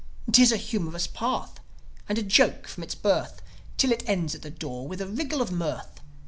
'Tis a humorous path, and a joke from its birth Till it ends at the door with a wriggle of mirth.